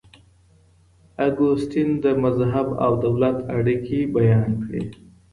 اګوستين د مذهب او دولت اړيکي بيان کړې.